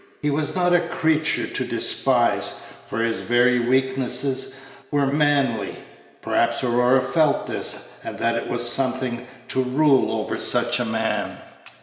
He was not a creature to despise, for his very weaknesses were manly. Perhaps Aurora felt this, and that it was something to rule over such a man.